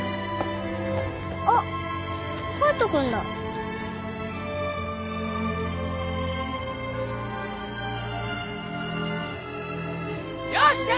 あっ隼人君だ。よしじゃ